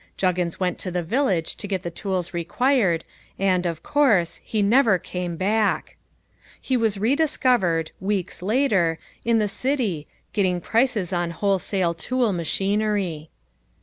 Juggins went to the village to get the tools required, and, of course, he never came back. He was re discovered weeks later in the city, getting prices on wholesale tool machinery.